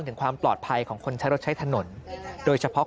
ถึงความปลอดภัยของคนใช้รถใช้ถนนโดยเฉพาะ